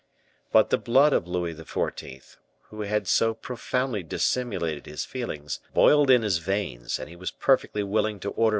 But the blood of Louis XIV., who had so profoundly dissimulated his feelings, boiled in his veins; and he was perfectly willing to order M.